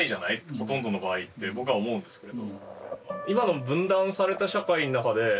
ほとんどの場合って僕は思うんですけれど。